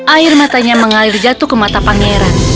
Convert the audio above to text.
air matanya mengalir jatuh ke mata pangeran